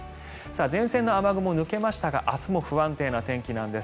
前線の雨雲、抜けましたが明日も不安定な天気なんです。